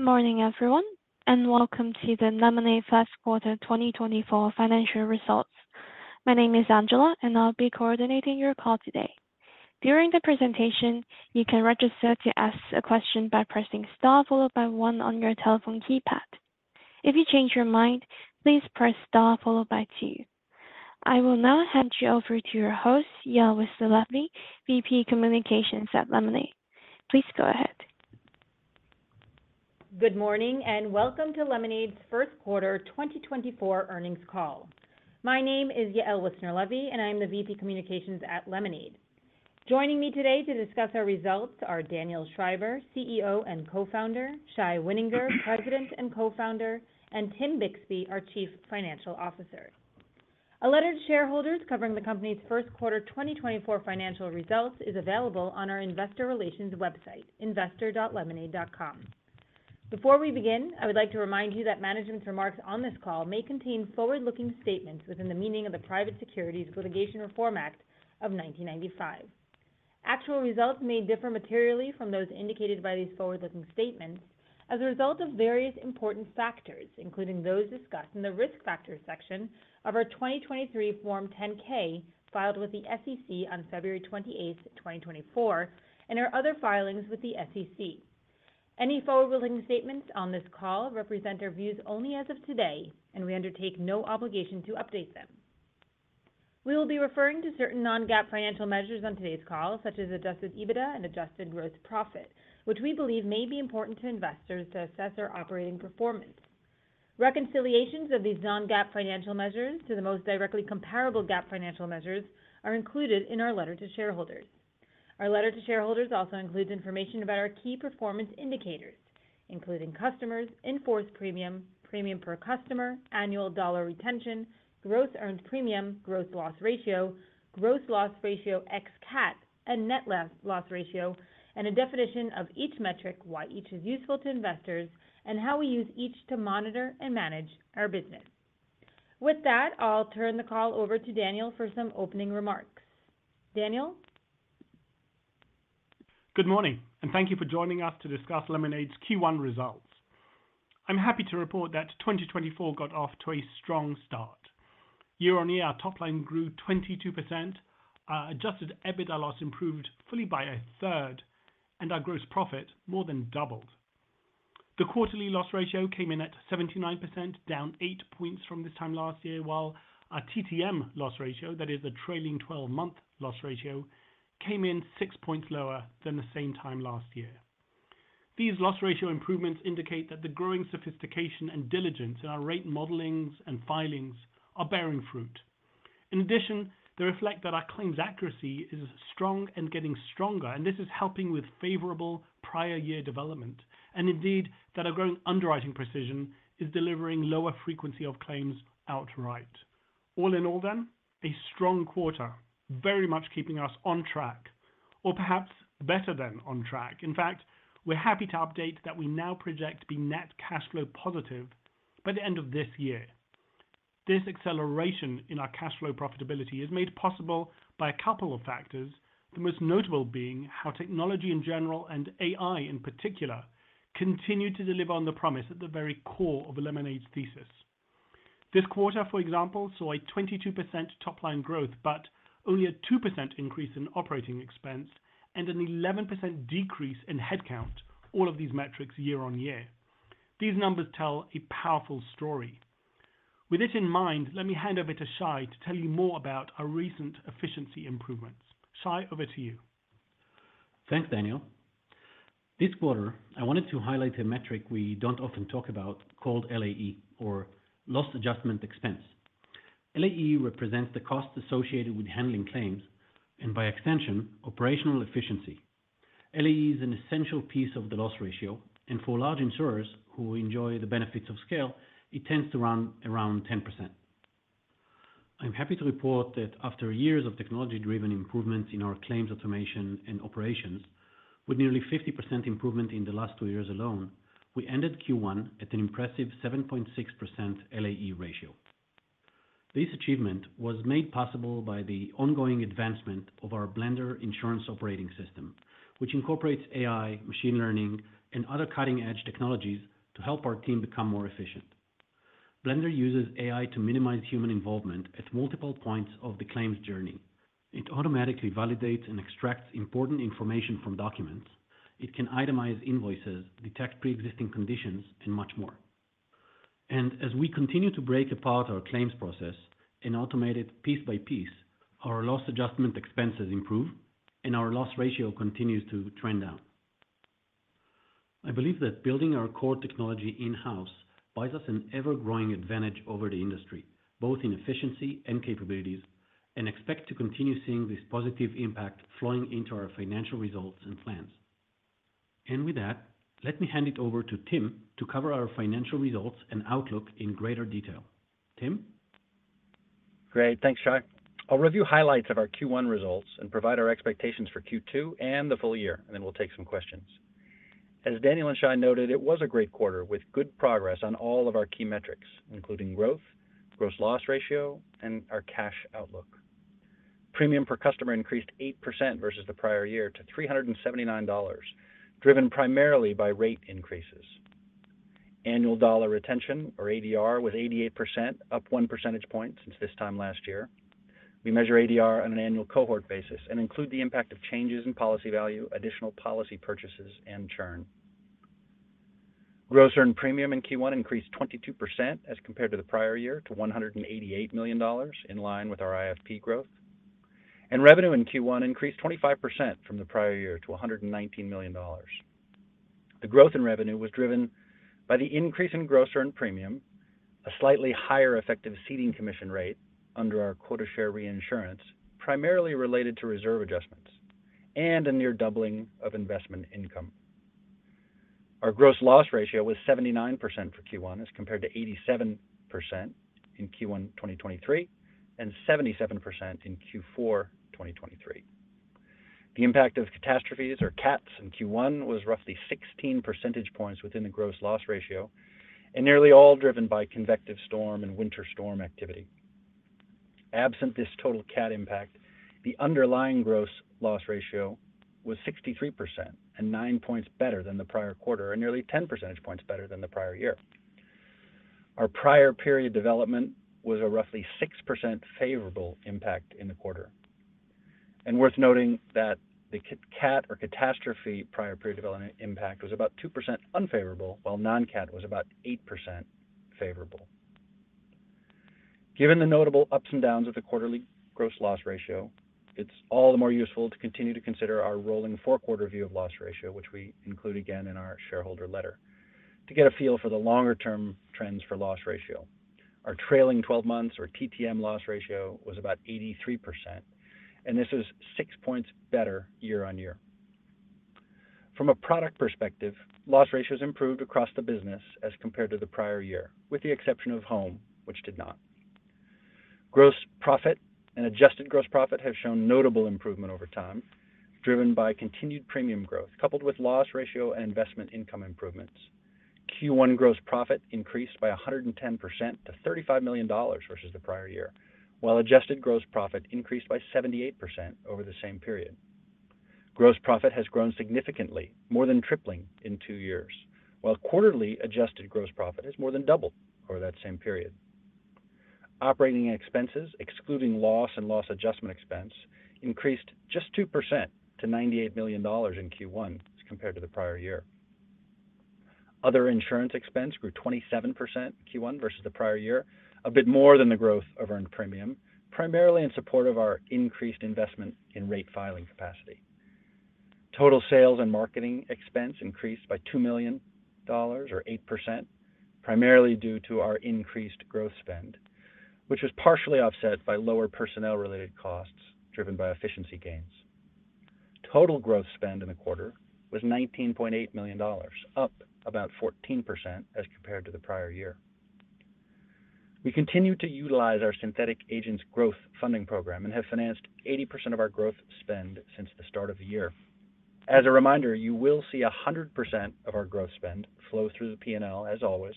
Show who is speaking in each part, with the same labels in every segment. Speaker 1: Good morning, everyone, and welcome to the Lemonade first Quarter 2024 financial results. My name is Angela, and I'll be coordinating your call today. During the presentation, you can register to ask a question by pressing star followed by one on your telephone keypad. If you change your mind, please press star followed by two. I will now hand you over to your host, Yael Wissner-Levy, VP Communications at Lemonade. Please go ahead.
Speaker 2: Good morning, and welcome to Lemonade's first quarter 2024 earnings call. My name is Yael Wissner-Levy, and I'm the VP Communications at Lemonade. Joining me today to discuss our results are Daniel Schreiber, CEO and Co-founder, Shai Wininger, President and Co-founder, and Tim Bixby, our Chief Financial Officer. A letter to shareholders covering the company's first quarter 2024 financial results is available on our investor relations website, investor.lemonade.com. Before we begin, I would like to remind you that management's remarks on this call may contain forward-looking statements within the meaning of the Private Securities Litigation Reform Act of 1995. Actual results may differ materially from those indicated by these forward-looking statements as a result of various important factors, including those discussed in the Risk Factors section of our 2023 Form 10-K, filed with the SEC on February 28, 2024, and our other filings with the SEC. Any forward-looking statements on this call represent our views only as of today, and we undertake no obligation to update them. We will be referring to certain non-GAAP financial measures on today's call, such as Adjusted EBITDA and Adjusted Gross Profit, which we believe may be important to investors to assess our operating performance. Reconciliations of these non-GAAP financial measures to the most directly comparable GAAP financial measures are included in our letter to shareholders. Our letter to shareholders also includes information about our key performance indicators, including customers, in-force premium, premium per customer, annual dollar retention, gross earned premium, gross loss ratio, gross loss ratio ex CAT, and net loss ratio, and a definition of each metric, why each is useful to investors, and how we use each to monitor and manage our business. With that, I'll turn the call over to Daniel for some opening remarks. Daniel?
Speaker 3: Good morning, and thank you for joining us to discuss Lemonade's Q1 results. I'm happy to report that 2024 got off to a strong start. Year-on-year, our top line grew 22%, our adjusted EBITDA loss improved fully by a third, and our gross profit more than doubled. The quarterly loss ratio came in at 79%, down 8 points from this time last year, while our TTM loss ratio, that is the trailing twelve-month loss ratio, came in 6 points lower than the same time last year. These loss ratio improvements indicate that the growing sophistication and diligence in our rate modelings and filings are bearing fruit. In addition, they reflect that our claims accuracy is strong and getting stronger, and this is helping with favorable prior year development, and indeed, that our growing underwriting precision is delivering lower frequency of claims outright. All in all then, a strong quarter, very much keeping us on track or perhaps better than on track. In fact, we're happy to update that we now project to be net cash flow positive by the end of this year. This acceleration in our cash flow profitability is made possible by a couple of factors, the most notable being how technology in general, and AI in particular, continue to deliver on the promise at the very core of Lemonade's thesis. This quarter, for example, saw a 22% top-line growth, but only a 2% increase in operating expense and an 11% decrease in headcount. All of these metrics year-on-year. These numbers tell a powerful story. With this in mind, let me hand over to Shai to tell you more about our recent efficiency improvements. Shai, over to you.
Speaker 4: Thanks, Daniel. This quarter, I wanted to highlight a metric we don't often talk about, called LAE, or Loss Adjustment Expense. LAE represents the costs associated with handling claims, and by extension, operational efficiency. LAE is an essential piece of the loss ratio, and for large insurers who enjoy the benefits of scale, it tends to run around 10%. I'm happy to report that after years of technology-driven improvements in our claims automation and operations, with nearly 50% improvement in the last two years alone, we ended Q1 at an impressive 7.6% LAE ratio. This achievement was made possible by the ongoing advancement of our Blender insurance operating system, which incorporates AI, machine learning, and other cutting-edge technologies to help our team become more efficient. Blender uses AI to minimize human involvement at multiple points of the claims journey. It automatically validates and extracts important information from documents. It can itemize invoices, detect pre-existing conditions, and much more. And as we continue to break apart our claims process and automate it piece by piece, our loss adjustment expenses improve and our loss ratio continues to trend down. I believe that building our core technology in-house buys us an ever-growing advantage over the industry, both in efficiency and capabilities, and expect to continue seeing this positive impact flowing into our financial results and plans. With that, let me hand it over to Tim to cover our financial results and outlook in greater detail. Tim?
Speaker 5: Great. Thanks, Shai. I'll review highlights of our Q1 results and provide our expectations for Q2 and the full year, and then we'll take some questions. As Daniel and Shai noted, it was a great quarter with good progress on all of our key metrics, including growth, Gross Loss Ratio, and our cash outlook.... Premium per customer increased 8% versus the prior year to $379, driven primarily by rate increases. Annual dollar retention, or ADR, was 88%, up 1 percentage point since this time last year. We measure ADR on an annual cohort basis and include the impact of changes in policy value, additional policy purchases, and churn. Gross earned premium in Q1 increased 22% as compared to the prior year to $188 million, in line with our IFP growth. Revenue in Q1 increased 25% from the prior year to $119 million. The growth in revenue was driven by the increase in gross earned premium, a slightly higher effective ceding commission rate under our quota share reinsurance, primarily related to reserve adjustments, and a near doubling of investment income. Our gross loss ratio was 79% for Q1, as compared to 87% in Q1 2023, and 77% in Q4 2023. The impact of catastrophes, or cats, in Q1 was roughly 16 percentage points within the gross loss ratio, and nearly all driven by convective storm and winter storm activity. Absent this total cat impact, the underlying gross loss ratio was 63% and 9 points better than the prior quarter, and nearly 10 percentage points better than the prior year. Our prior period development was a roughly 6% favorable impact in the quarter. Worth noting that the cat or catastrophe prior period development impact was about 2% unfavorable, while non-cat was about 8% favorable. Given the notable ups and downs of the quarterly gross loss ratio, it's all the more useful to continue to consider our rolling 4-quarter view of loss ratio, which we include again in our shareholder letter, to get a feel for the longer term trends for loss ratio. Our trailing 12 months, or TTM, loss ratio was about 83%, and this is six points better year-on-year. From a product perspective, loss ratios improved across the business as compared to the prior year, with the exception of home, which did not. Gross profit and adjusted gross profit have shown notable improvement over time, driven by continued premium growth, coupled with loss ratio and investment income improvements. Q1 gross profit increased by 110% to $35 million versus the prior year, while adjusted gross profit increased by 78% over the same period. Gross profit has grown significantly, more than tripling in two years, while quarterly adjusted gross profit has more than doubled over that same period. Operating expenses, excluding loss and loss adjustment expense, increased just 2% to $98 million in Q1 as compared to the prior year. Other insurance expense grew 27% Q1 versus the prior year, a bit more than the growth of earned premium, primarily in support of our increased investment in rate filing capacity. Total sales and marketing expense increased by $2 million or 8%, primarily due to our increased growth spend, which was partially offset by lower personnel-related costs driven by efficiency gains. Total growth spend in the quarter was $19.8 million, up about 14% as compared to the prior year. We continue to utilize our Synthetic Agents growth funding program and have financed 80% of our growth spend since the start of the year. As a reminder, you will see 100% of our growth spend flow through the P&L as always,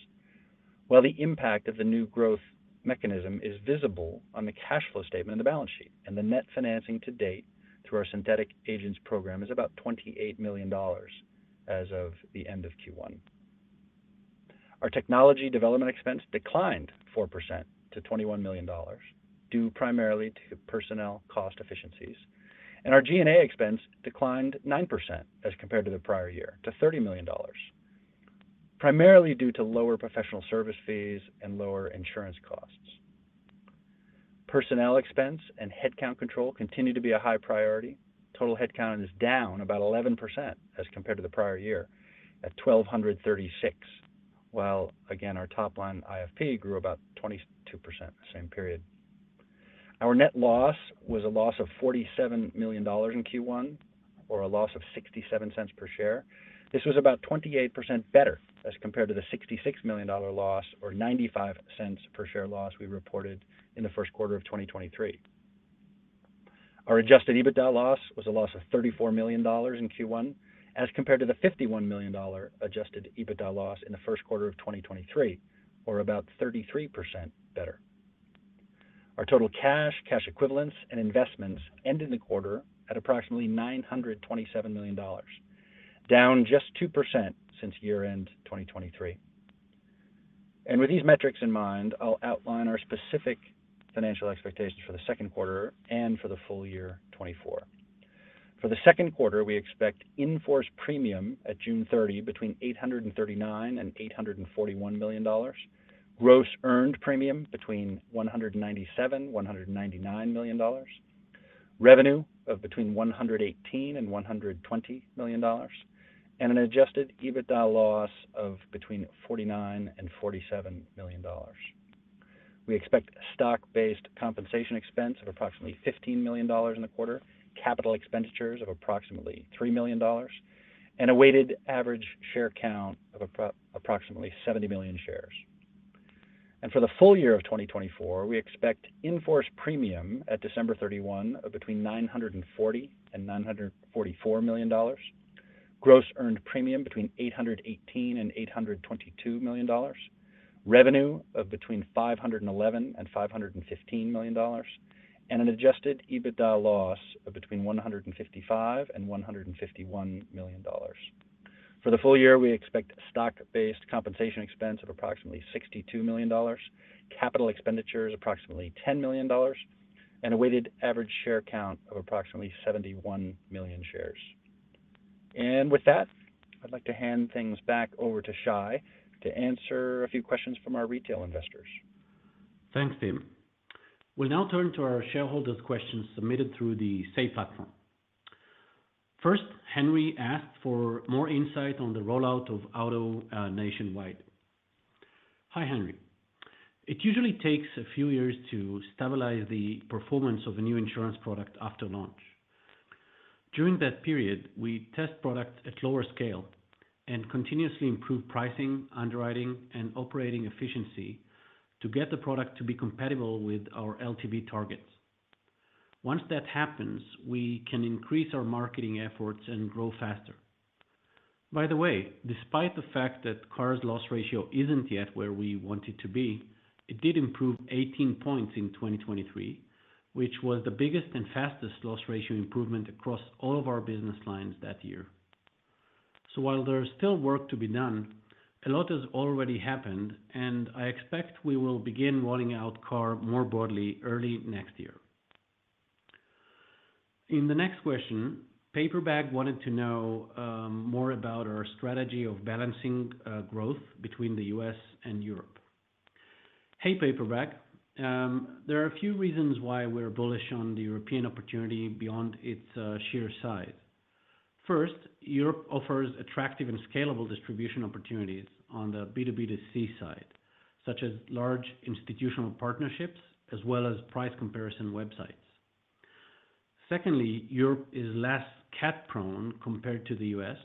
Speaker 5: while the impact of the new growth mechanism is visible on the cash flow statement and the balance sheet. The net financing to date through our Synthetic Agents program is about $28 million as of the end of Q1. Our technology development expense declined 4% to $21 million, due primarily to personnel cost efficiencies. Our G&A expense declined 9% as compared to the prior year, to $30 million, primarily due to lower professional service fees and lower insurance costs. Personnel expense and headcount control continue to be a high priority. Total headcount is down about 11% as compared to the prior year, at 1,236, while again, our top-line IFP grew about 22% the same period. Our net loss was a loss of $47 million in Q1, or a loss of $0.67 per share. This was about 28% better as compared to the $66 million loss or $0.95 per share loss we reported in the first quarter of 2023. Our adjusted EBITDA loss was a loss of $34 million in Q1, as compared to the $51 million adjusted EBITDA loss in the first quarter of 2023, or about 33% better. Our total cash, cash equivalents, and investments ended the quarter at approximately $927 million, down just 2% since year-end 2023. With these metrics in mind, I'll outline our specific financial expectations for the second quarter and for the full year 2024. For the second quarter, we expect in-force premium at June 30 between $839 million and $841 million. Gross earned premium between $197 million and $199 million. Revenue of between $118 million and $120 million, and an Adjusted EBITDA loss of between $49 million and $47 million. We expect Stock-Based Compensation expense of approximately $15 million in the quarter, capital expenditures of approximately $3 million, and a weighted average share count of approximately 70 million shares. For the full year of 2024, we expect in-force premium at December 31 of between $940 million and $944 million.... Gross earned premium between $818 million and $822 million. Revenue of between $511 million and $515 million, and an adjusted EBITDA loss of between $155 million and $151 million. For the full year, we expect stock-based compensation expense of approximately $62 million, capital expenditures approximately $10 million, and a weighted average share count of approximately 71 million shares. And with that, I'd like to hand things back over to Shai to answer a few questions from our retail investors.
Speaker 4: Thanks, Tim. We'll now turn to our shareholders' questions submitted through the Say platform. First, Henry asked for more insight on the rollout of auto nationwide. Hi, Henry. It usually takes a few years to stabilize the performance of a new insurance product after launch. During that period, we test products at lower scale and continuously improve pricing, underwriting, and operating efficiency to get the product to be compatible with our LTV targets. Once that happens, we can increase our marketing efforts and grow faster. By the way, despite the fact that car's loss ratio isn't yet where we want it to be, it did improve 18 points in 2023, which was the biggest and fastest loss ratio improvement across all of our business lines that year. So while there is still work to be done, a lot has already happened, and I expect we will begin rolling out car more broadly early next year. In the next question, Paperbag wanted to know, more about our strategy of balancing, growth between the U.S. and Europe. Hey, Paperbag. There are a few reasons why we're bullish on the European opportunity beyond its sheer size. First, Europe offers attractive and scalable distribution opportunities on the B2B to C side, such as large institutional partnerships as well as price comparison websites. Secondly, Europe is less CAT-prone compared to the U.S.,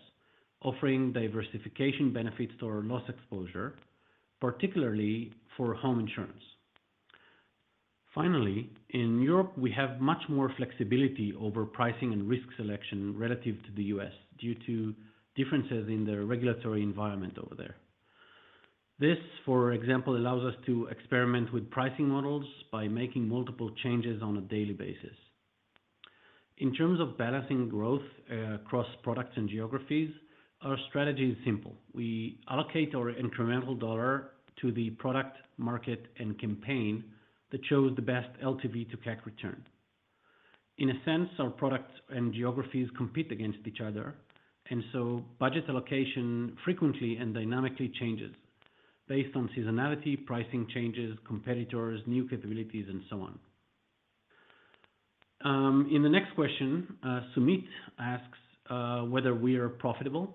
Speaker 4: offering diversification benefits to our loss exposure, particularly for home insurance. Finally, in Europe, we have much more flexibility over pricing and risk selection relative to the U.S., due to differences in the regulatory environment over there. This, for example, allows us to experiment with pricing models by making multiple changes on a daily basis. In terms of balancing growth across products and geographies, our strategy is simple. We allocate our incremental dollar to the product, market, and campaign that shows the best LTV to CAC return. In a sense, our products and geographies compete against each other, and so budget allocation frequently and dynamically changes based on seasonality, pricing changes, competitors, new capabilities, and so on. In the next question, Sumit asks whether we are profitable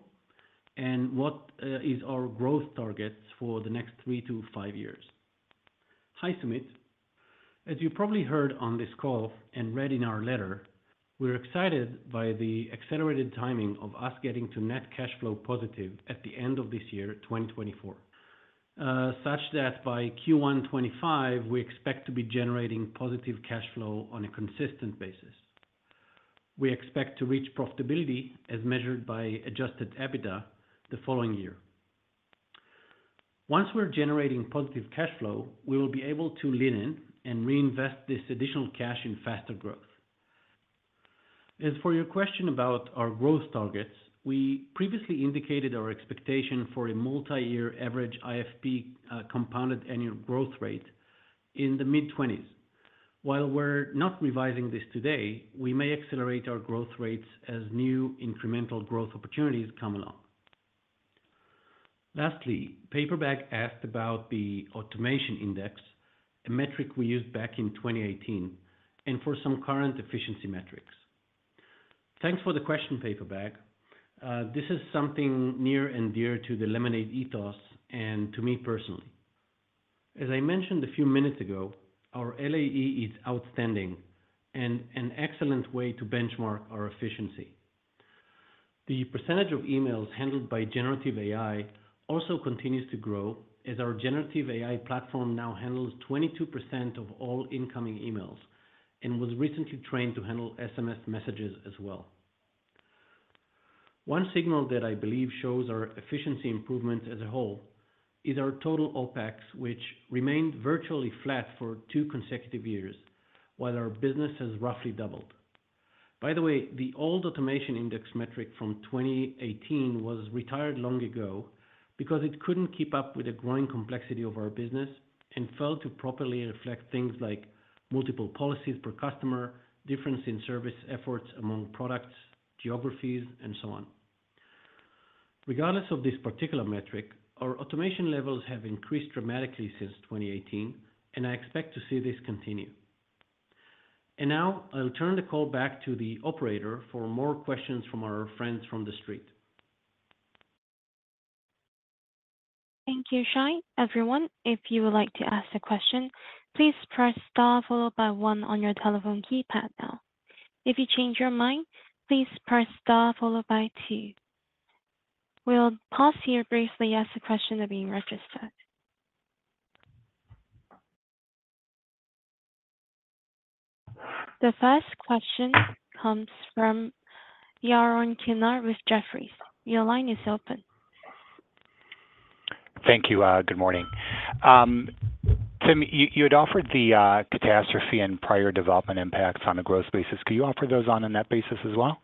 Speaker 4: and what is our growth targets for the next 3-5 years. Hi, Sumit. As you probably heard on this call and read in our letter, we're excited by the accelerated timing of us getting to net cash flow positive at the end of this year, 2024. such that by Q1 2025, we expect to be generating positive cash flow on a consistent basis. We expect to reach profitability as measured by Adjusted EBITDA the following year. Once we're generating positive cash flow, we will be able to lean in and reinvest this additional cash in faster growth. As for your question about our growth targets, we previously indicated our expectation for a multi-year average IFP, compounded annual growth rate in the mid-20s. While we're not revising this today, we may accelerate our growth rates as new incremental growth opportunities come along. Lastly, Paperbag asked about the automation index, a metric we used back in 2018, and for some current efficiency metrics. Thanks for the question, Paperbag. This is something near and dear to the Lemonade ethos and to me personally. As I mentioned a few minutes ago, our LAE is outstanding and an excellent way to benchmark our efficiency. The percentage of emails handled by generative AI also continues to grow, as our generative AI platform now handles 22% of all incoming emails and was recently trained to handle SMS messages as well. One signal that I believe shows our efficiency improvements as a whole is our total OpEx, which remained virtually flat for two consecutive years, while our business has roughly doubled. By the way, the old automation index metric from 2018 was retired long ago because it couldn't keep up with the growing complexity of our business and failed to properly reflect things like multiple policies per customer, difference in service efforts among products, geographies, and so on. Regardless of this particular metric, our automation levels have increased dramatically since 2018, and I expect to see this continue. And now I'll turn the call back to the operator for more questions from our friends from the Street.
Speaker 1: Thank you, Shai. Everyone, if you would like to ask a question, please press star followed by one on your telephone keypad now. If you change your mind, please press star followed by two. We'll pause here briefly as the questions are being registered.... The first question comes from Yaron Kinar with Jefferies. Your line is open.
Speaker 6: Thank you. Good morning. Tim, you, you had offered the catastrophe and prior development impacts on a gross basis. Can you offer those on a net basis as well?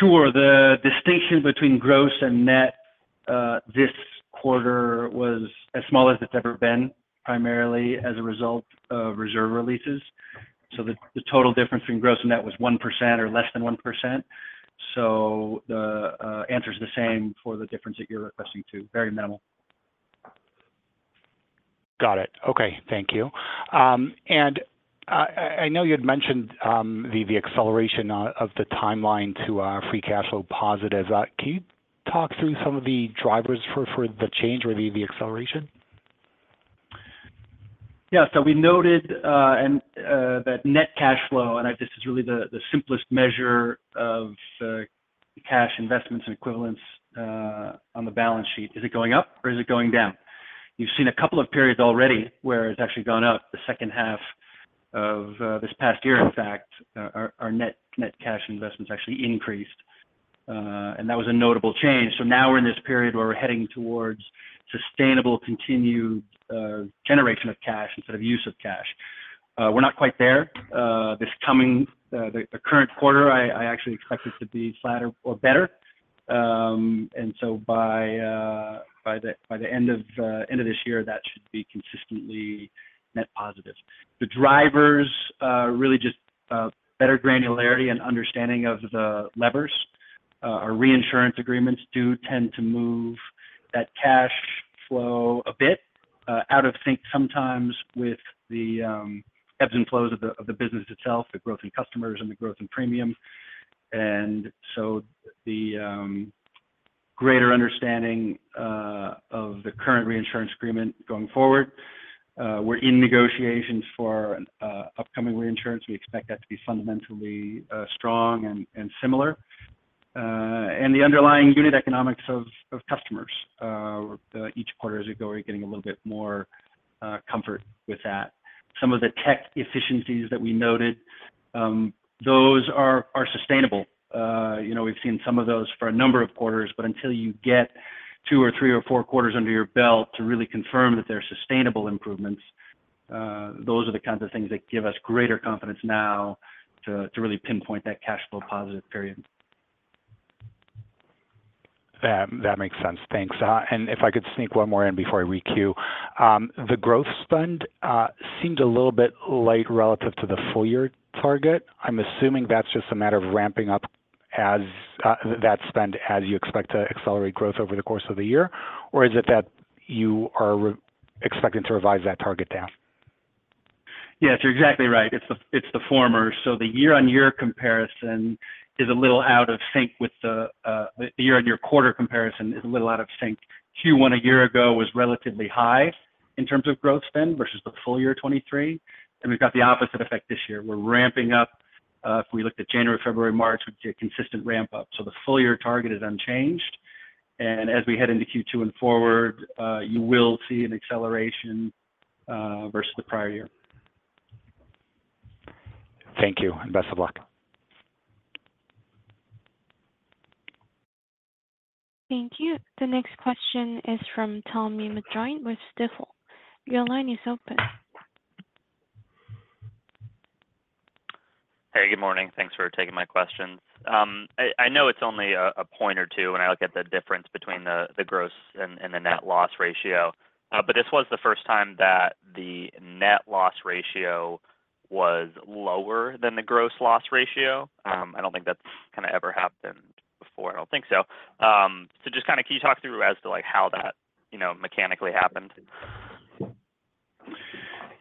Speaker 5: Sure. The distinction between gross and net, this quarter was as small as it's ever been, primarily as a result of reserve releases. So the, the total difference between gross and net was 1% or less than 1%. So the, answer is the same for the difference that you're requesting to, very minimal.
Speaker 6: Got it. Okay, thank you. And I know you had mentioned the acceleration of the timeline to free cash flow positives. Can you talk through some of the drivers for the change or the acceleration?
Speaker 5: Yeah, so we noted that net cash flow, and this is really the simplest measure of cash investments and equivalents on the balance sheet. Is it going up or is it going down? You've seen a couple of periods already where it's actually gone up. The second half of this past year, in fact, our net cash investments actually increased, and that was a notable change. So now we're in this period where we're heading towards sustainable, continued generation of cash instead of use of cash. We're not quite there. This coming, the current quarter, I actually expect this to be flatter or better. And so by the end of this year, that should be consistently net positive. The drivers are really just better granularity and understanding of the levers. Our reinsurance agreements do tend to move that cash flow a bit out of sync, sometimes with the ebbs and flows of the business itself, the growth in customers and the growth in premium. So the greater understanding of the current reinsurance agreement going forward, we're in negotiations for an upcoming reinsurance. We expect that to be fundamentally strong and similar. And the underlying unit economics of customers each quarter as we go, we're getting a little bit more comfort with that. Some of the tech efficiencies that we noted, those are sustainable. You know, we've seen some of those for a number of quarters, but until you get two or three or four quarters under your belt to really confirm that they're sustainable improvements, those are the kinds of things that give us greater confidence now to really pinpoint that cash flow positive period.
Speaker 6: That, that makes sense. Thanks. And if I could sneak one more in before I requeue. The growth spend seemed a little bit light relative to the full year target. I'm assuming that's just a matter of ramping up as that spend, as you expect to accelerate growth over the course of the year? Or is it that you are re-expecting to revise that target down?
Speaker 5: Yes, you're exactly right. It's the, it's the former. So the year-over-year comparison is a little out of sync with the, the year-over-year quarter comparison is a little out of sync. Q1 a year ago was relatively high in terms of growth spend versus the full year 2023, and we've got the opposite effect this year. We're ramping up. If we looked at January, February, March, we'd see a consistent ramp up. So the full year target is unchanged, and as we head into Q2 and forward, you will see an acceleration versus the prior year.
Speaker 6: Thank you, and best of luck.
Speaker 1: Thank you. The next question is from Thomas McJoynt with Stifel. Your line is open.
Speaker 7: Hey, good morning. Thanks for taking my questions. I know it's only a point or two when I look at the difference between the gross and the net loss ratio, but this was the first time that the net loss ratio was lower than the gross loss ratio. I don't think that's kind of ever happened before. I don't think so. So just kind of can you talk through as to, like, how that, you know, mechanically happened?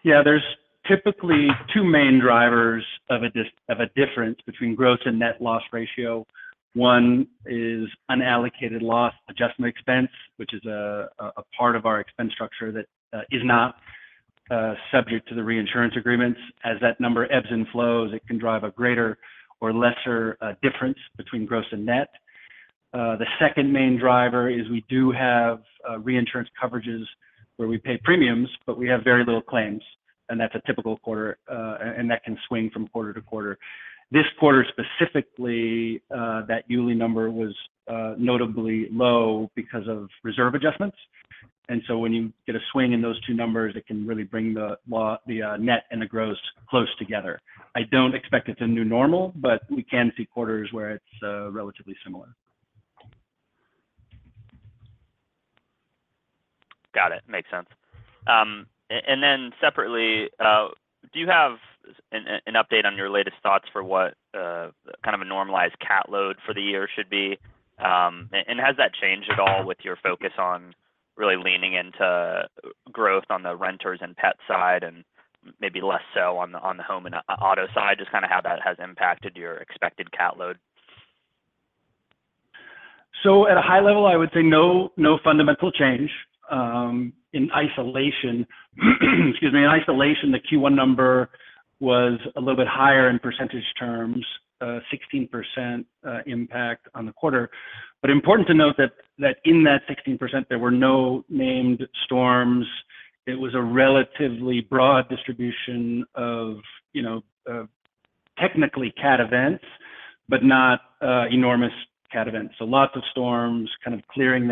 Speaker 5: Yeah, there's typically two main drivers of a difference between gross and net loss ratio. One is unallocated loss adjustment expense, which is a part of our expense structure that is not subject to the reinsurance agreements. As that number ebbs and flows, it can drive a greater or lesser difference between gross and net. The second main driver is we do have reinsurance coverages where we pay premiums, but we have very little claims, and that's a typical quarter, and that can swing from quarter to quarter. This quarter, specifically, that ULAE number was notably low because of reserve adjustments, and so when you get a swing in those two numbers, it can really bring the net and the gross close together. I don't expect it's a new normal, but we can see quarters where it's relatively similar.
Speaker 7: Got it. Makes sense. And then separately, do you have an update on your latest thoughts for what kind of a normalized cat load for the year should be? And has that changed at all with your focus on really leaning into growth on the renters and pet side, and maybe less so on the home and auto side? Just kind of how that has impacted your expected cat load.
Speaker 5: So at a high level, I would say no, no fundamental change in isolation. Excuse me. In isolation, the Q1 number was a little bit higher in percentage terms, 16%, impact on the quarter. But important to note that in that 16%, there were no named storms. It was a relatively broad distribution of, you know, technically cat events, but not enormous cat events. So lots of storms, kind of clearing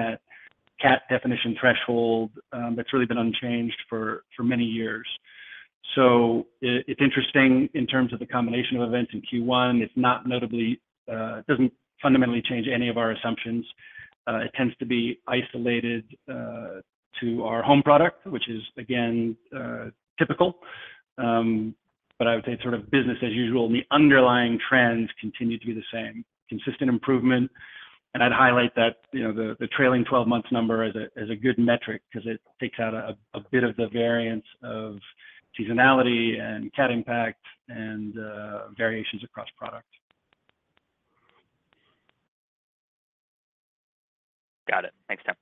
Speaker 5: that cat definition threshold, that's really been unchanged for many years. So it, it's interesting in terms of the combination of events in Q1. It's not notably, it doesn't fundamentally change any of our assumptions. It tends to be isolated to our home product, which is again, typical. But I would say sort of business as usual, and the underlying trends continue to be the same, consistent improvement. And I'd highlight that, you know, the trailing twelve months number as a good metric because it takes out a bit of the variance of seasonality and cat impact and variations across products.
Speaker 7: Got it. Thanks, Tim.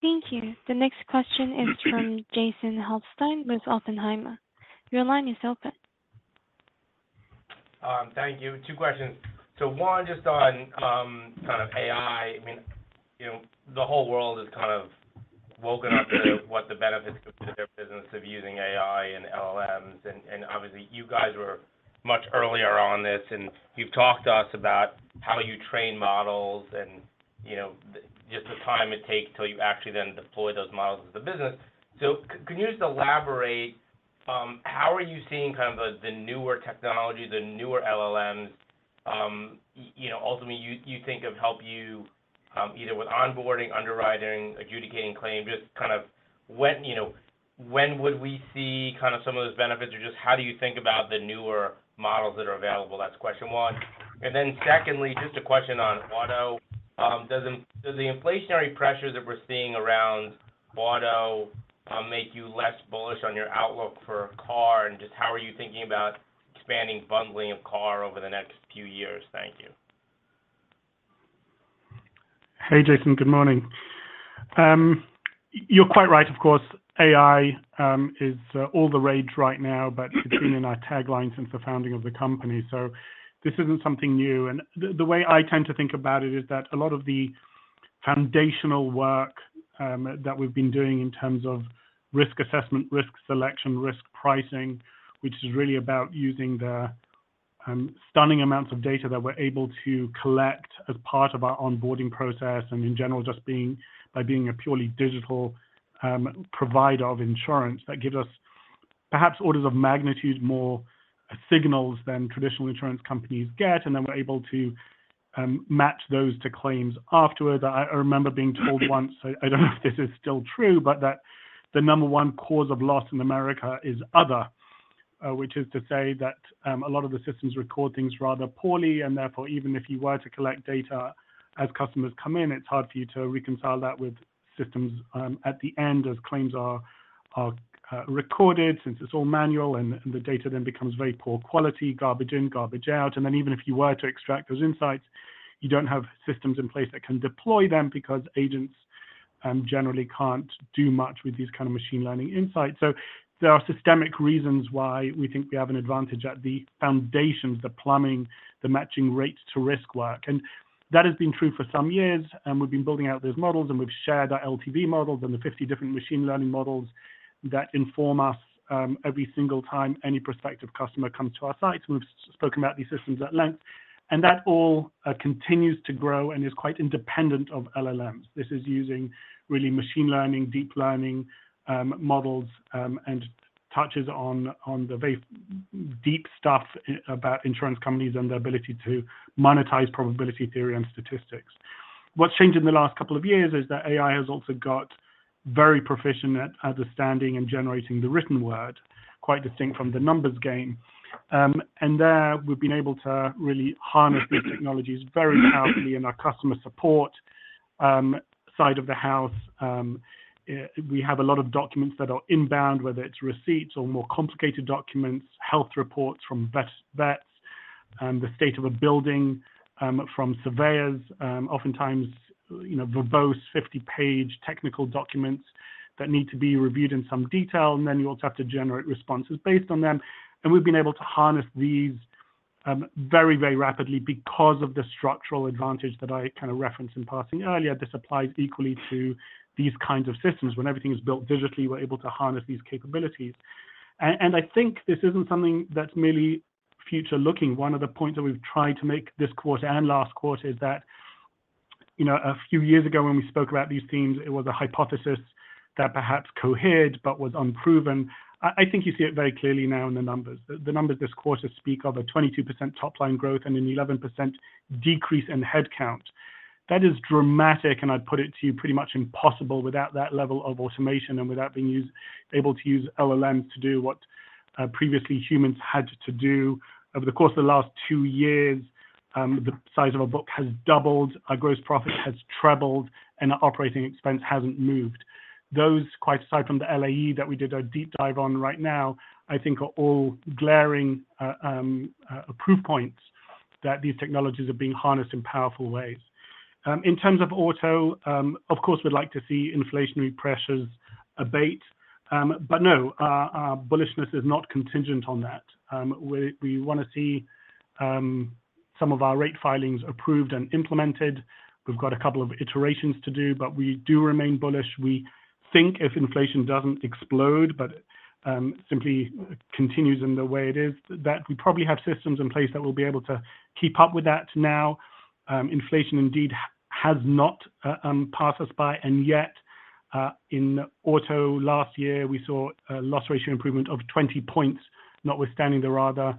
Speaker 1: Thank you. The next question is from Jason Helfstein with Oppenheimer. Your line is open.
Speaker 8: Thank you. Two questions. So one, just on, kind of AI. I mean, you know, the whole world has kind of woken up to what the benefits to their business of using AI and LLMs. And, and obviously you guys were much earlier on this, and you've talked to us about how you train models and, you know, just the time it takes till you actually then deploy those models into the business. So can you just elaborate, how are you seeing kind of the, the newer technology, the newer LLMs, you know, ultimately, you, you think of help you, either with onboarding, underwriting, adjudicating claims, just kind of when, you know, when would we see kind of some of those benefits? Or just how do you think about the newer models that are available? That's question one. And then secondly, just a question on auto. Does the inflationary pressures that we're seeing around auto make you less bullish on your outlook for car? And just how are you thinking about expanding bundling of car over the next few years? Thank you.
Speaker 3: Hey, Jason. Good morning. You're quite right of course, AI is all the rage right now, but it's been in our tagline since the founding of the company, so this isn't something new. And the way I tend to think about it is that a lot of the foundational work that we've been doing in terms of risk assessment, risk selection, risk pricing, which is really about using the stunning amounts of data that we're able to collect as part of our onboarding process, and in general, just by being a purely digital provider of insurance, that gives us perhaps orders of magnitude more signals than traditional insurance companies get, and then we're able to match those to claims afterwards. I remember being told once. I don't know if this is still true, but the number one cause of loss in America is other. Which is to say that a lot of the systems record things rather poorly, and therefore, even if you were to collect data as customers come in, it's hard for you to reconcile that with systems at the end, as claims are recorded since it's all manual and the data then becomes very poor quality, garbage in, garbage out. And then even if you were to extract those insights, you don't have systems in place that can deploy them because agents generally can't do much with these kind of machine learning insights. So there are systemic reasons why we think we have an advantage at the foundations, the plumbing, the matching rates to risk work, and that has been true for some years. And we've been building out those models, and we've shared our LTV models and the 50 different machine learning models that inform us every single time any prospective customer comes to our site. We've spoken about these systems at length, and that all continues to grow and is quite independent of LLMs. This is using really machine learning, deep learning models, and touches on the very deep stuff about insurance companies and their ability to monetize probability theory and statistics. What's changed in the last couple of years is that AI has also got very proficient at understanding and generating the written word, quite distinct from the numbers game. And there we've been able to really harness these technologies very powerfully in our customer support side of the house. We have a lot of documents that are inbound, whether it's receipts or more complicated documents, health reports from vets, the state of a building from surveyors, oftentimes, you know, verbose 50-page technical documents that need to be reviewed in some detail, and then you also have to generate responses based on them. And we've been able to harness these very, very rapidly because of the structural advantage that I kind of referenced in passing earlier. This applies equally to these kinds of systems. When everything is built digitally, we're able to harness these capabilities. And I think this isn't something that's merely future-looking. One of the points that we've tried to make this quarter and last quarter is that, you know, a few years ago, when we spoke about these themes, it was a hypothesis that perhaps cohered but was unproven. I think you see it very clearly now in the numbers. The numbers this quarter speak of a 22% top-line growth and an 11% decrease in headcount. That is dramatic, and I'd put it to you, pretty much impossible without that level of automation and without being usable to use LLMs to do what previously humans had to do. Over the course of the last two years, the size of our book has doubled, our gross profit has tripled, and our operating expense hasn't moved. Those, quite aside from the LAE that we did a deep dive on right now, I think are all glaring proof points that these technologies are being harnessed in powerful ways. In terms of auto, of course, we'd like to see inflationary pressures abate. But no, bullishness is not contingent on that. We want to see some of our rate filings approved and implemented. We've got a couple of iterations to do, but we do remain bullish. We think if inflation doesn't explode, but simply continues in the way it is, that we probably have systems in place that will be able to keep up with that now. Inflation indeed has not passed us by, and yet, in auto last year, we saw a loss ratio improvement of 20 points, notwithstanding the rather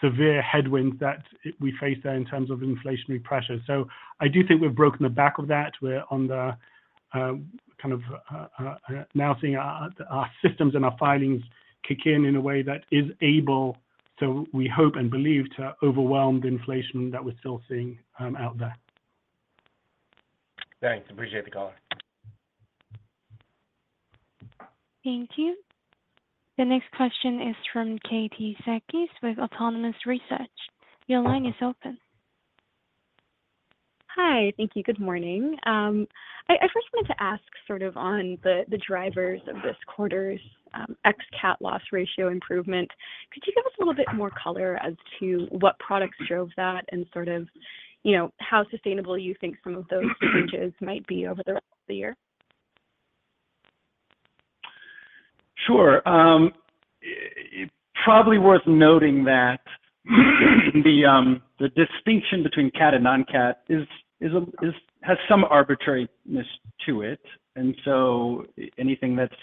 Speaker 3: severe headwinds that we face there in terms of inflationary pressures. So I do think we've broken the back of that. We're kind of now seeing our systems and our filings kick in in a way that is able, so we hope and believe, to overwhelm the inflation that we're still seeing out there.
Speaker 7: Thanks. Appreciate the call.
Speaker 1: Thank you. The next question is from Katie Sakys with Autonomous Research. Your line is open.
Speaker 9: Hi. Thank you. Good morning. I first wanted to ask sort of on the drivers of this quarter's ex-cat loss ratio improvement. Could you give us a little bit more color as to what products drove that and sort of, you know, how sustainable you think some of those changes might be over the rest of the year?
Speaker 5: Sure. Probably worth noting that the distinction between cat and non-cat is, has some arbitrariness to it, and so anything that's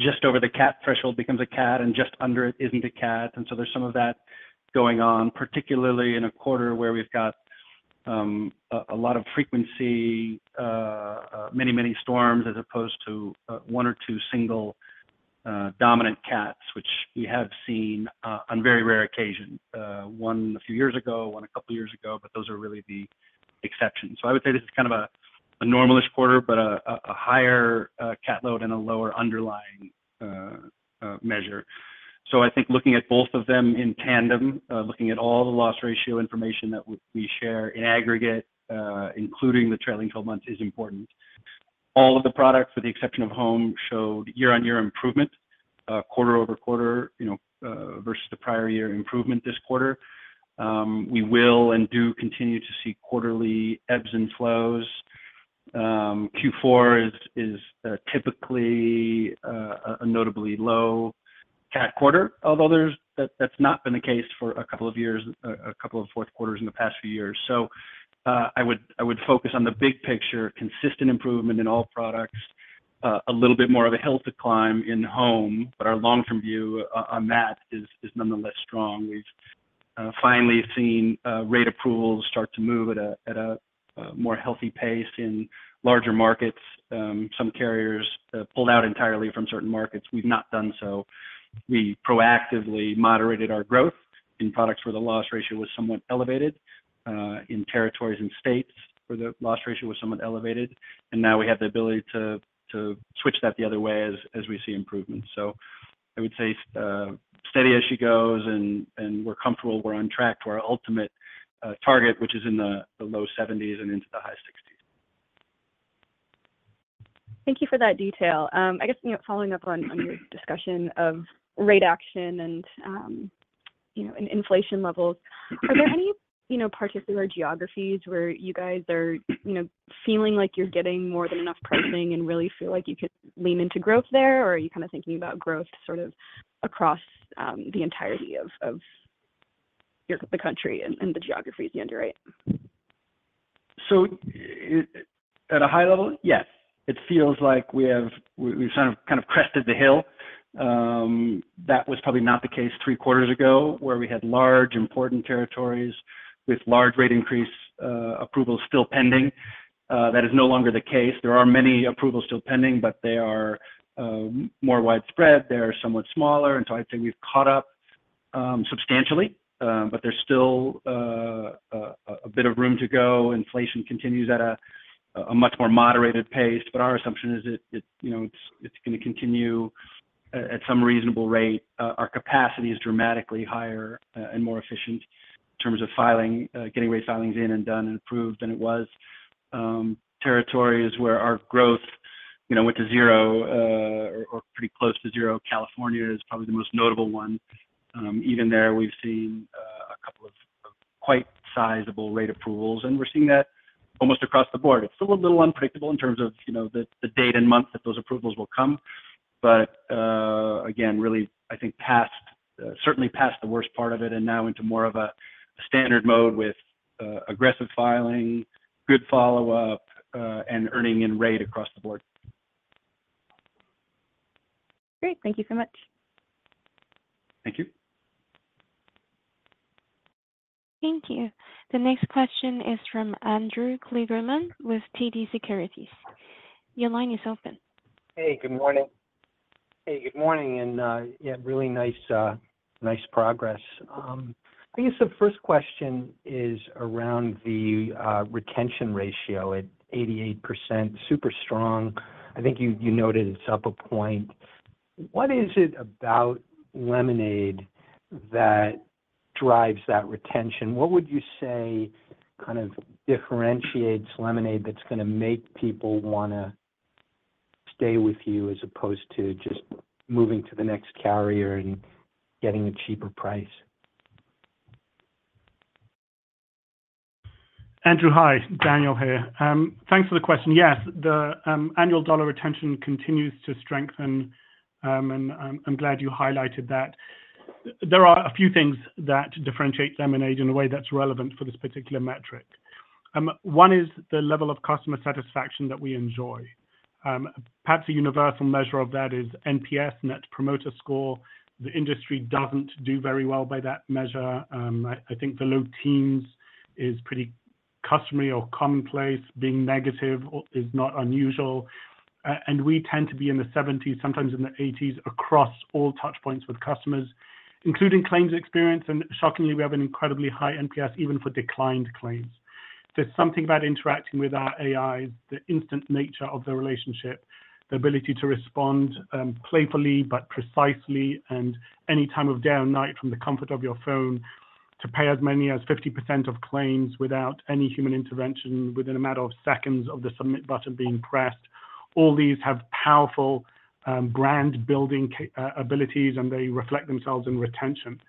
Speaker 5: just over the cat threshold becomes a cat, and just under it isn't a cat. And so there's some of that going on, particularly in a quarter where we've got a lot of frequency, many, many storms, as opposed to one or two single dominant cats, which we have seen on very rare occasion, one a few years ago, one a couple of years ago, but those are really the exceptions. So I would say this is kind of a normalish quarter, but a higher cat load and a lower underlying measure. So I think looking at both of them in tandem, looking at all the loss ratio information that we share in aggregate, including the trailing twelve months, is important. All of the products, with the exception of Home, showed year-on-year improvement, quarter-over-quarter, you know, versus the prior year improvement this quarter. We will and do continue to see quarterly ebbs and flows. Q4 is typically a notably low cat quarter, although there's. That's not been the case for a couple of years, a couple of fourth quarters in the past few years. So, I would focus on the big picture, consistent improvement in all products, a little bit more of a slight decline in Home, but our long-term view on that is nonetheless strong. We've finally seen rate approvals start to move at a more healthy pace in larger markets. Some carriers pulled out entirely from certain markets. We've not done so. We proactively moderated our growth in products where the loss ratio was somewhat elevated in territories and states where the loss ratio was somewhat elevated, and now we have the ability to switch that the other way as we see improvements. So I would say, steady as she goes, and we're comfortable we're on track to our ultimate target, which is in the low 70s and into the high 60s.
Speaker 9: Thank you for that detail. I guess, you know, following up on your discussion of rate action and, you know, and inflation levels. Are there any, you know, particular geographies where you guys are, you know, feeling like you're getting more than enough pricing and really feel like you could lean into growth there? Or are you kind of thinking about growth sort of across the entirety of your the country and the geographies you underwrite?
Speaker 5: So at a high level, yes. It feels like we have. We've kind of crested the hill. That was probably not the case three quarters ago, where we had large, important territories with large rate increase approvals still pending. That is no longer the case. There are many approvals still pending, but they are more widespread, they are somewhat smaller, and so I'd say we've caught up substantially. But there's still a bit of room to go. Inflation continues at a much more moderated pace, but our assumption is that it's, you know, it's going to continue at some reasonable rate. Our capacity is dramatically higher and more efficient in terms of filing, getting rate filings in and done and approved than it was. Territories where our growth, you know, went to zero or pretty close to zero. California is probably the most notable one. Even there, we've seen a couple of quite sizable rate approvals, and we're seeing that almost across the board. It's still a little unpredictable in terms of, you know, the date and month that those approvals will come, but again, really, I think past certainly past the worst part of it and now into more of a standard mode with aggressive filing, good follow-up, and earning in rate across the board.
Speaker 9: Great. Thank you so much.
Speaker 5: Thank you.
Speaker 1: Thank you. The next question is from Andrew Kligerman with TD Securities. Your line is open.
Speaker 10: Hey, good morning. Hey, good morning, and yeah, really nice, nice progress. I guess the first question is around the retention ratio at 88%. Super strong. I think you, you noted it's up a point. What is it about Lemonade that drives that retention? What would you say kind of differentiates Lemonade that's gonna make people wanna stay with you as opposed to just moving to the next carrier and getting a cheaper price?
Speaker 3: Andrew, hi. Daniel here. Thanks for the question. Yes, the annual dollar retention continues to strengthen, and I'm glad you highlighted that. There are a few things that differentiate Lemonade in a way that's relevant for this particular metric. One is the level of customer satisfaction that we enjoy. Perhaps a universal measure of that is NPS, Net Promoter Score. The industry doesn't do very well by that measure. I think the low teens is pretty customary or commonplace. Being negative is not unusual. And we tend to be in the seventies, sometimes in the eighties, across all touch points with customers, including claims experience, and shockingly, we have an incredibly high NPS even for declined claims. There's something about interacting with our AI, the instant nature of the relationship, the ability to respond playfully but precisely and any time of day or night from the comfort of your phone, to pay as many as 50% of claims without any human intervention within a matter of seconds of the submit button being pressed. All these have powerful brand-building abilities, and they reflect themselves in retention.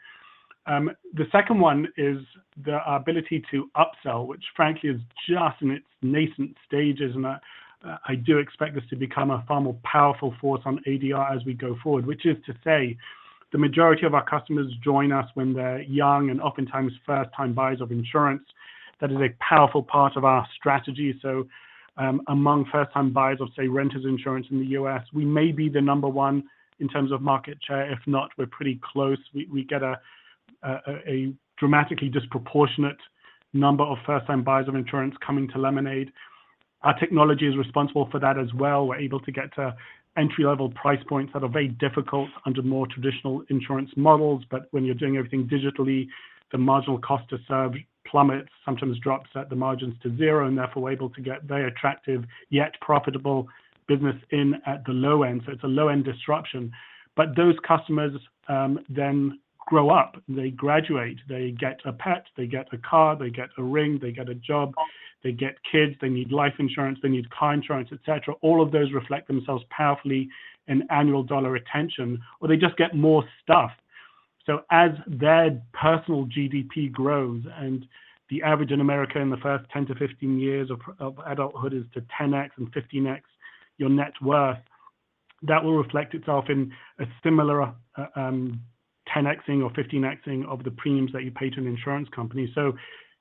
Speaker 3: The second one is the ability to upsell, which frankly is just in its nascent stages, and I do expect this to become a far more powerful force on ADR as we go forward, which is to say, the majority of our customers join us when they're young and oftentimes first-time buyers of insurance. That is a powerful part of our strategy. So, among first-time buyers of, say, renters insurance in the U.S., we may be the number one in terms of market share. If not, we're pretty close. We get a dramatically disproportionate number of first-time buyers of insurance coming to Lemonade. Our technology is responsible for that as well. We're able to get to entry-level price points that are very difficult under more traditional insurance models. But when you're doing everything digitally, the marginal cost to serve plummets, sometimes drops at the margins to zero, and therefore, we're able to get very attractive, yet profitable business in at the low end. So it's a low-end disruption. But those customers then grow up, they graduate, they get a pet, they get a car, they get a ring, they get a job, they get kids, they need life insurance, they need car insurance, et cetera. All of those reflect themselves powerfully in annual dollar retention, or they just get more stuff. So as their personal GDP grows, and the average in America in the first 10-15 years of adulthood is to 10x and 15x your net worth, that will reflect itself in a similar 10x-ing or 15x-ing of the premiums that you pay to an insurance company. So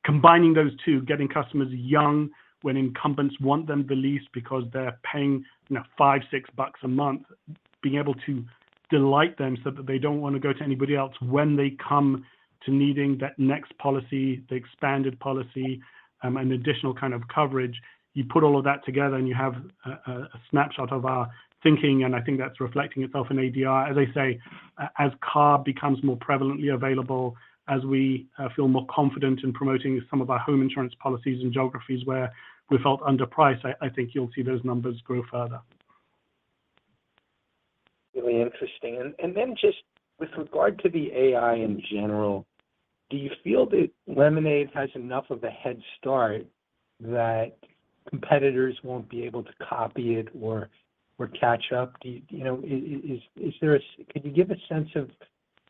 Speaker 3: combining those two, getting customers young when incumbents want them the least because they're paying, you know, $5, $6 a month, being able to delight them so that they don't wanna go to anybody else when they come to needing that next policy, the expanded policy, and additional kind of coverage. You put all of that together, and you have a snapshot of our thinking, and I think that's reflecting itself in ADR. As I say, as car becomes more prevalent, as we feel more confident in promoting some of our home insurance policies in geographies where we felt underpriced, I think you'll see those numbers grow further.
Speaker 10: Really interesting. And then just with regard to the AI in general, do you feel that Lemonade has enough of a head start that competitors won't be able to copy it or catch up? You know, could you give a sense of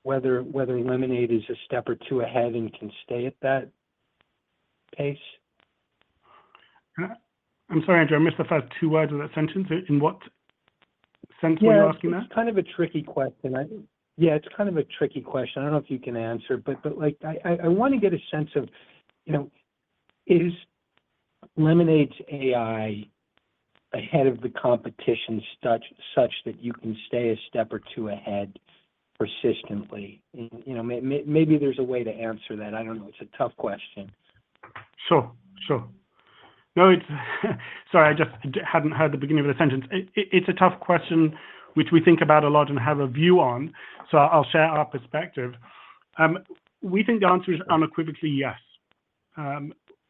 Speaker 10: whether Lemonade is a step or two ahead and can stay at that pace?
Speaker 3: I'm sorry, Andrew. I missed the first two words of that sentence. In what sense were you asking that?
Speaker 10: Well, it's kind of a tricky question. Yeah, it's kind of a tricky question. I don't know if you can answer, but like, I wanna get a sense of, you know, is Lemonade's AI ahead of the competition such that you can stay a step or two ahead persistently? And, you know, maybe there's a way to answer that. I don't know. It's a tough question.
Speaker 3: Sure. Sure. No, it's, sorry, I just hadn't heard the beginning of the sentence. It's a tough question, which we think about a lot and have a view on, so I'll share our perspective. We think the answer is unequivocally yes.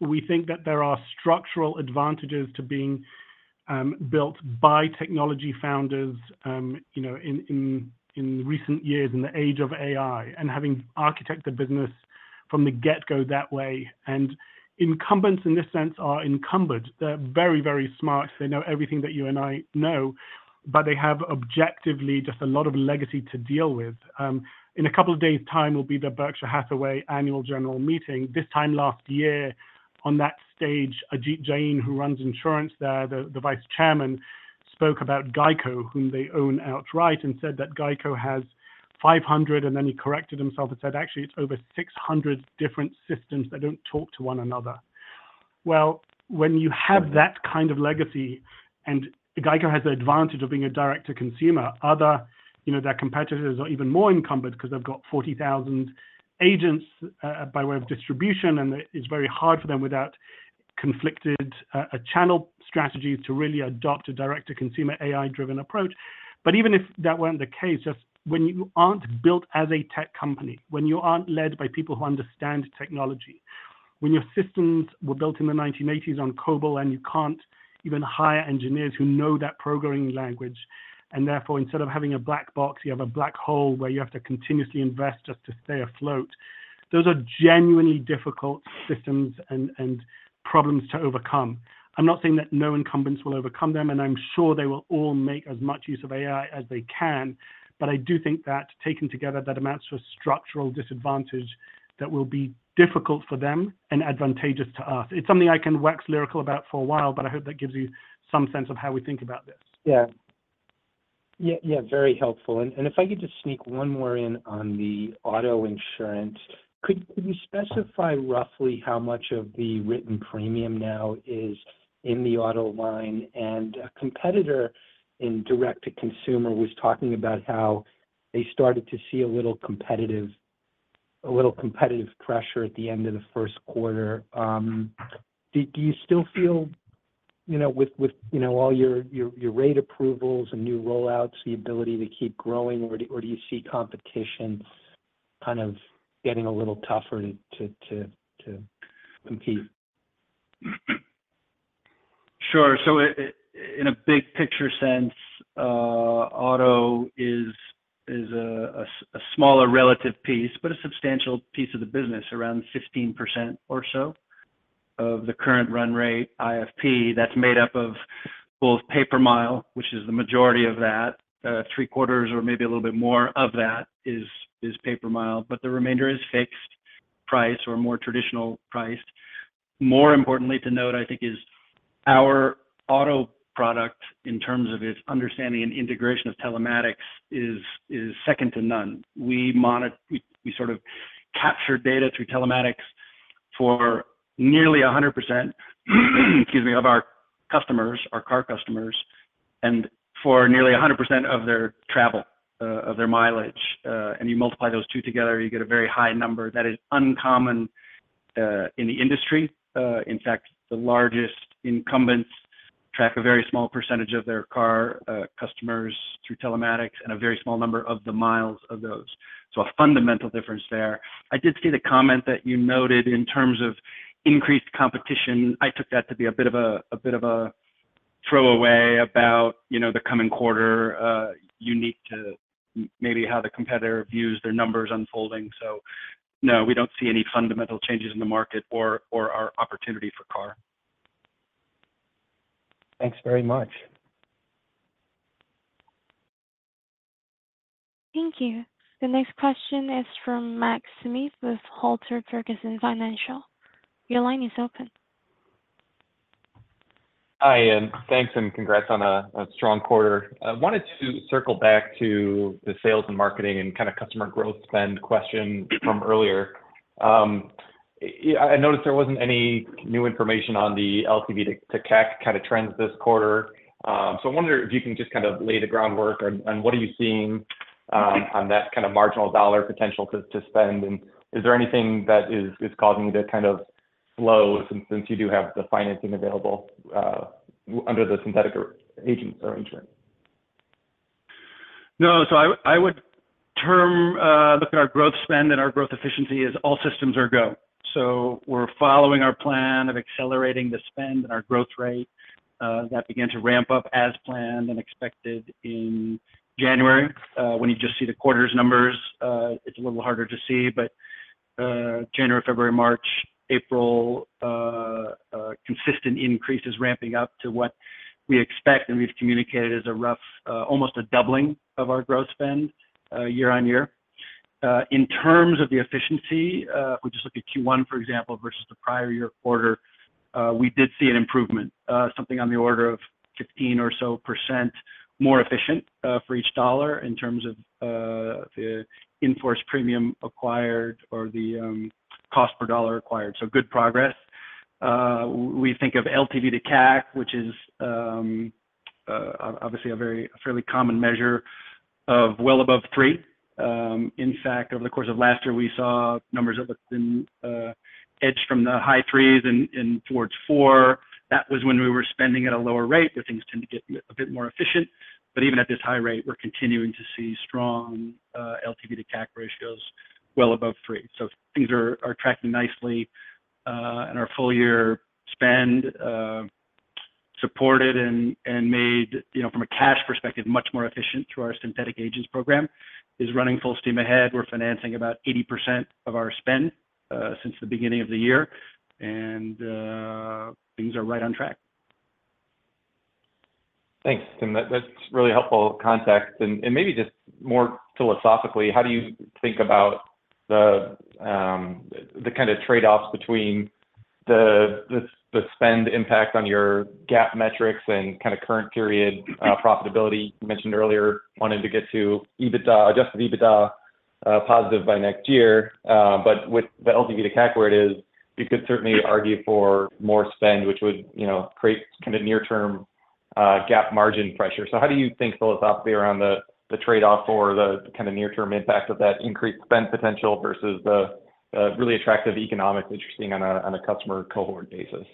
Speaker 3: We think that there are structural advantages to being built by technology founders, you know, in recent years, in the age of AI, and having architect the business from the get-go that way. And incumbents in this sense are encumbered. They're very, very smart. They know everything that you and I know, but they have objectively just a lot of legacy to deal with. In a couple of days time will be the Berkshire Hathaway annual general meeting. This time last year, on that stage, Ajit Jain, who runs insurance there, the vice chairman, spoke about GEICO, whom they own outright, and said that GEICO has 500, and then he corrected himself and said, "Actually, it's over 600 different systems that don't talk to one another." Well, when you have that kind of legacy, and GEICO has the advantage of being a direct-to-consumer, other, you know, their competitors are even more encumbered because they've got 40,000 agents by way of distribution, and it's very hard for them without conflicted a channel strategy to really adopt a direct-to-consumer, AI-driven approach. But even if that weren't the case, just when you aren't built as a tech company, when you aren't led by people who understand technology-... When your systems were built in the 1980s on COBOL, and you can't even hire engineers who know that programming language, and therefore, instead of having a black box, you have a black hole where you have to continuously invest just to stay afloat. Those are genuinely difficult systems and problems to overcome. I'm not saying that no incumbents will overcome them, and I'm sure they will all make as much use of AI as they can, but I do think that taken together, that amounts to a structural disadvantage that will be difficult for them and advantageous to us. It's something I can wax lyrical about for a while, but I hope that gives you some sense of how we think about this.
Speaker 10: Yeah. Yeah, yeah, very helpful. And, and if I could just sneak one more in on the auto insurance, could, could you specify roughly how much of the written premium now is in the auto line? And a competitor in direct-to-consumer was talking about how they started to see a little competitive, a little competitive pressure at the end of the first quarter. Do, do you still feel, you know, with, with, with, you know, all your, your, your rate approvals and new rollouts, the ability to keep growing, or do, or do you see competition kind of getting a little tougher to, to, to, to compete?
Speaker 5: Sure. So in a big picture sense, auto is a smaller relative piece, but a substantial piece of the business, around 15% or so of the current run rate, IFP, that's made up of both pay-per-mile, which is the majority of that. Three quarters or maybe a little bit more of that is pay-per-mile, but the remainder is fixed price or more traditional priced. More importantly, to note, I think, is our auto product, in terms of its understanding and integration of telematics, is second to none. We sort of capture data through telematics for nearly 100%, excuse me, of our customers, our car customers, and for nearly 100% of their travel, of their mileage. And you multiply those two together, you get a very high number that is uncommon in the industry. In fact, the largest incumbents track a very small percentage of their car customers through telematics and a very small number of the miles of those. So a fundamental difference there. I did see the comment that you noted in terms of increased competition. I took that to be a bit of a throwaway about, you know, the coming quarter, unique to maybe how the competitor views their numbers unfolding. So no, we don't see any fundamental changes in the market or our opportunity for car.
Speaker 10: Thanks very much.
Speaker 1: Thank you. The next question is from Matt Smith with Halter Ferguson Financial. Your line is open.
Speaker 11: Hi, and thanks, and congrats on a strong quarter. I wanted to circle back to the sales and marketing and kind of customer growth spend question from earlier. I noticed there wasn't any new information on the LTV to CAC kind of trends this quarter. So I wonder if you can just kind of lay the groundwork on what are you seeing on that kind of marginal dollar potential to spend, and is there anything that is causing you to kind of slow, since you do have the financing available under the synthetic agents arrangement?
Speaker 5: No, so I would, I would term, look at our growth spend and our growth efficiency as all systems are go. So we're following our plan of accelerating the spend and our growth rate, that began to ramp up as planned and expected in January. When you just see the quarter's numbers, it's a little harder to see, but, January, February, March, April, consistent increases ramping up to what we expect, and we've communicated as a rough, almost a doubling of our growth spend, year-over-year. In terms of the efficiency, if we just look at Q1, for example, versus the prior year quarter, we did see an improvement, something on the order of 15% or so more efficient, for each dollar in terms of the in-force premium acquired or the cost per dollar acquired. So good progress. We think of LTV to CAC, which is obviously a very fairly common measure of well above three. In fact, over the course of last year, we saw numbers that looked inched from the high threes and towards four. That was when we were spending at a lower rate, where things tend to get a bit more efficient. But even at this high rate, we're continuing to see strong LTV to CAC ratios well above three. So things are tracking nicely, and our full year spend, supported and made, you know, from a cash perspective, much more efficient through our Synthetic Agents program, is running full steam ahead. We're financing about 80% of our spend, since the beginning of the year, and things are right on track.
Speaker 11: Thanks, Tim. That's really helpful context. And maybe just more philosophically, how do you think about the kind of trade-offs between the spend impact on your GAAP metrics and kind of current period profitability? You mentioned earlier, wanting to get to EBITDA, adjusted EBITDA positive by next year, but with the LTV to CAC where it is, you could certainly argue for more spend, which would, you know, create kind of near-term GAAP margin pressure. So how do you think philosophically around the trade-off or the kind of near-term impact of that increased spend potential versus the really attractive economics interesting on a customer cohort basis?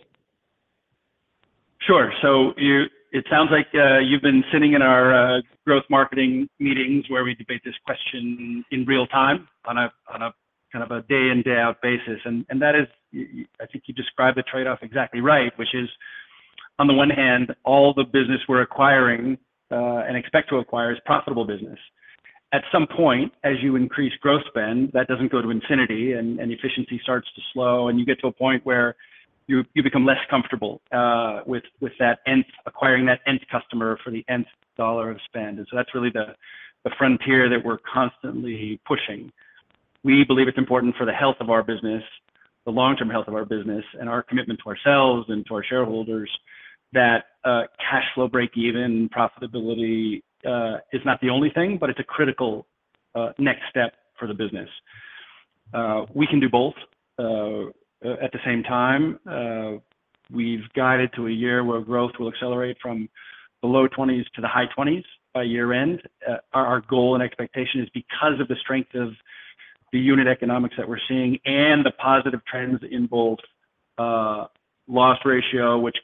Speaker 5: Sure. So you, it sounds like, you've been sitting in our growth marketing meetings where we debate this question in real time on a kind of a day in, day out basis. And that is, I think you described the trade-off exactly right, which is, on the one hand, all the business we're acquiring and expect to acquire is profitable business. At some point, as you increase growth spend, that doesn't go to infinity, and efficiency starts to slow, and you get to a point where you become less comfortable with that nth, acquiring that nth customer for the nth dollar of spend. And so that's really the frontier that we're constantly pushing. We believe it's important for the health of our business, the long-term health of our business, and our commitment to ourselves and to our shareholders, that cash flow break-even profitability is not the only thing, but it's a critical next step for the business. We can do both at the same time. We've guided to a year where growth will accelerate from the low 20s to the high 20s by year-end. Our goal and expectation is because of the strength of the unit economics that we're seeing and the positive trends in both loss ratio, which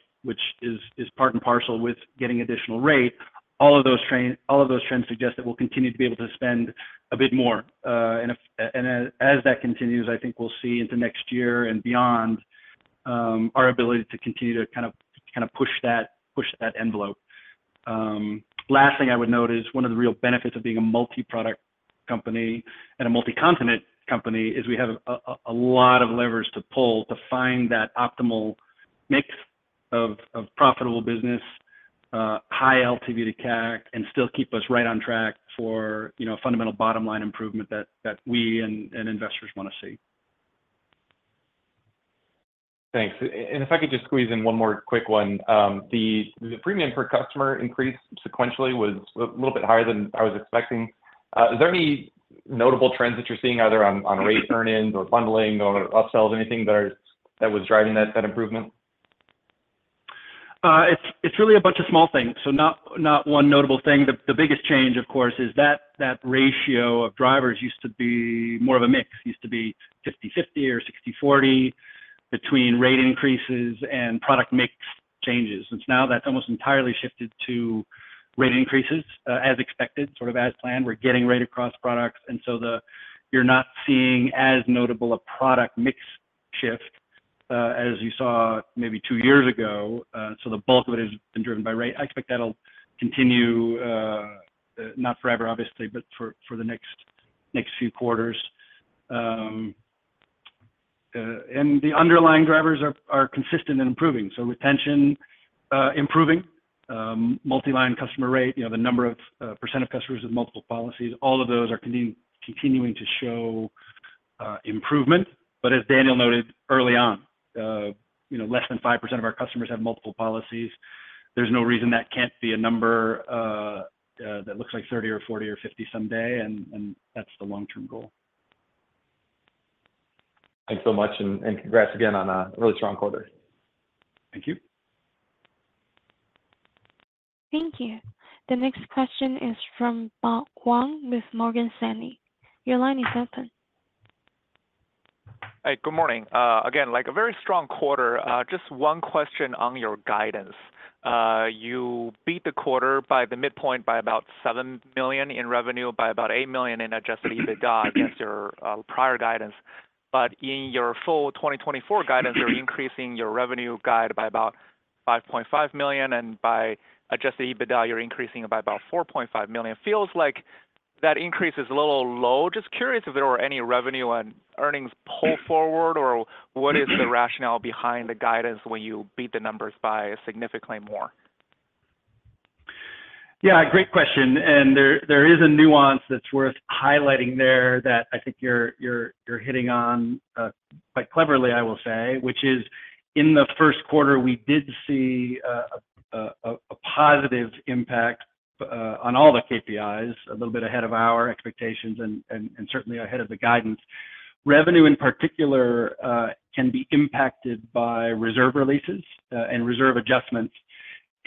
Speaker 5: is part and parcel with getting additional rate. All of those trends, all of those trends suggest that we'll continue to be able to spend a bit more, and as that continues, I think we'll see into next year and beyond, our ability to continue to kind of push that envelope. Last thing I would note is one of the real benefits of being a multi-product company and a multi-continent company is we have a lot of levers to pull to find that optimal mix of profitable business, high LTV to CAC, and still keep us right on track for, you know, fundamental bottom line improvement that we and investors want to see.
Speaker 11: Thanks. And if I could just squeeze in one more quick one. The premium per customer increase sequentially was a little bit higher than I was expecting. Is there any notable trends that you're seeing, either on rate earn-ins or bundling or upsells, anything that was driving that improvement?
Speaker 5: It's really a bunch of small things, so not one notable thing. The biggest change, of course, is that ratio of drivers used to be more of a mix. Used to be 50/50 or 60/40 between rate increases and product mix changes. Since now, that's almost entirely shifted to rate increases, as expected, sort of as planned. We're getting rate across products, and so you're not seeing as notable a product mix shift, as you saw maybe two years ago. So the bulk of it has been driven by rate. I expect that'll continue, not forever, obviously, but for the next few quarters. And the underlying drivers are consistent and improving. So retention improving, multi-line customer rate, you know, the number of percent of customers with multiple policies, all of those are continuing to show improvement. But as Daniel noted early on, you know, less than 5% of our customers have multiple policies. There's no reason that can't be a number that looks like 30 or 40 or 50 someday, and that's the long-term goal.
Speaker 11: Thanks so much, and congrats again on a really strong quarter.
Speaker 5: Thank you.
Speaker 1: Thank you. The next question is from Bob Huang with Morgan Stanley. Your line is open.
Speaker 12: Hey, good morning. Again, like a very strong quarter. Just one question on your guidance. You beat the quarter by the midpoint by about $7 million in revenue, by about $8 million in Adjusted EBITDA against your prior guidance. But in your full 2024 guidance, you're increasing your revenue guide by about $5.5 million, and by Adjusted EBITDA, you're increasing it by about $4.5 million. Feels like that increase is a little low. Just curious if there were any revenue and earnings pulled forward, or what is the rationale behind the guidance when you beat the numbers by significantly more?
Speaker 5: Yeah, great question, and there is a nuance that's worth highlighting there that I think you're hitting on quite cleverly, I will say, which is in the first quarter, we did see a positive impact on all the KPIs, a little bit ahead of our expectations and certainly ahead of the guidance. Revenue, in particular, can be impacted by reserve releases and reserve adjustments.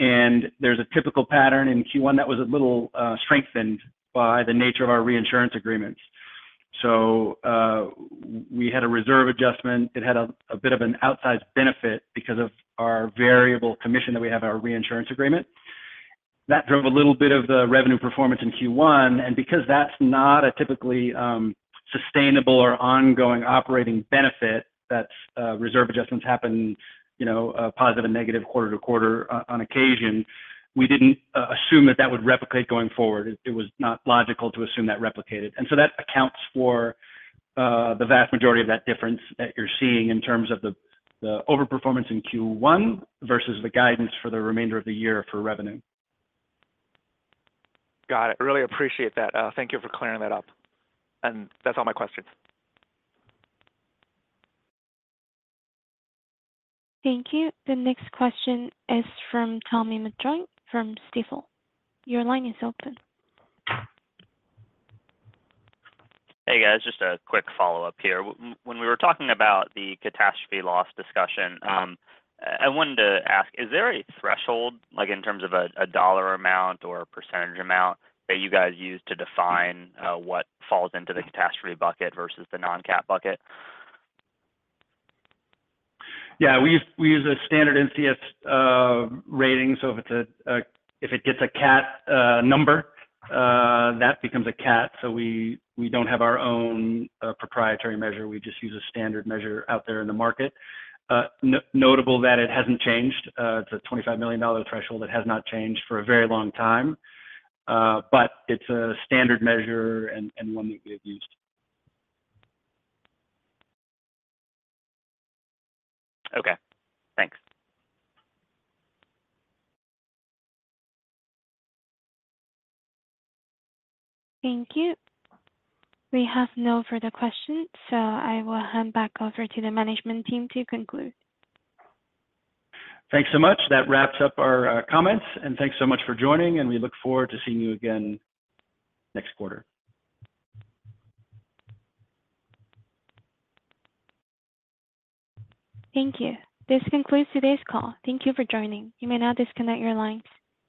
Speaker 5: And there's a typical pattern in Q1 that was a little strengthened by the nature of our reinsurance agreements. So, we had a reserve adjustment. It had a bit of an outsized benefit because of our variable commission that we have our reinsurance agreement. That drove a little bit of the revenue performance in Q1. And because that's not a typically sustainable or ongoing operating benefit, that's reserve adjustments happen, you know, positive and negative quarter to quarter on occasion, we didn't assume that would replicate going forward. It was not logical to assume that replicated. And so that accounts for the vast majority of that difference that you're seeing in terms of the overperformance in Q1 versus the guidance for the remainder of the year for revenue.
Speaker 12: Got it. Really appreciate that. Thank you for clearing that up. That's all my questions.
Speaker 1: Thank you. The next question is from Thomas McJoynt from Stifel. Your line is open.
Speaker 7: Hey, guys, just a quick follow-up here. When we were talking about the catastrophe loss discussion, I wanted to ask, is there a threshold, like in terms of a dollar amount or a percentage amount that you guys use to define what falls into the catastrophe bucket versus the non-cat bucket?
Speaker 5: Yeah, we use a standard PCS rating, so if it gets a cat number, that becomes a cat. So we don't have our own proprietary measure. We just use a standard measure out there in the market. Notable that it hasn't changed. It's a $25 million threshold that has not changed for a very long time. But it's a standard measure and one that we have used.
Speaker 7: Okay, thanks.
Speaker 1: Thank you. We have no further questions, so I will hand back over to the management team to conclude.
Speaker 5: Thanks so much. That wraps up our comments, and thanks so much for joining, and we look forward to seeing you again next quarter.
Speaker 1: Thank you. This concludes today's call. Thank you for joining. You may now disconnect your lines.